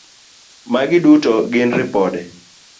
Magi duto gin ripode.